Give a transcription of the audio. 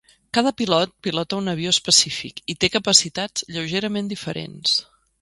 Cada pilot pilota un avió específic i té capacitats lleugerament diferents.